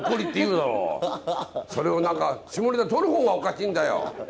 それを何か下ネタにとる方がおかしいんだよ！